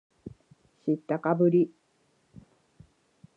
知ったかぶり